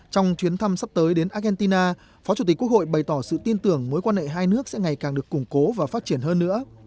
trong chuyến thăm sắp tới đến argentina phó chủ tịch quốc hội bày tỏ sự tin tưởng mối quan hệ hai nước sẽ ngày càng được củng cố và phát triển hơn nữa